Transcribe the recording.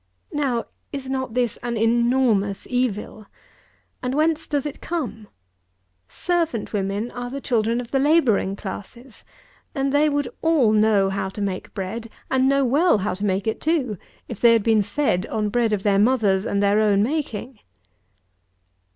Now, is not this an enormous evil? And whence does it come? Servant women are the children of the labouring classes; and they would all know how to make bread, and know well how to make it too, if they had been fed on bread of their mother's and their own making.